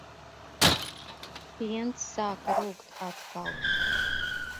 Piens sāka rūgt atkal.